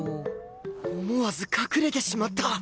思わず隠れてしまった！